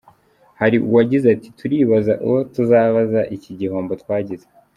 Hari uwagize ati “Turibaza uwo tuzabaza iki gihombo twagize.